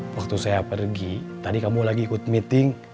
waktu saya pergi tadi kamu lagi ikut meeting